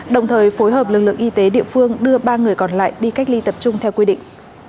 đồng thời phối hợp lực lượng y tế địa phương đưa ba người còn lại đi cách ly tập trung theo quy định